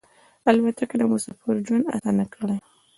الوتکه د مسافرو ژوند اسانه کړی.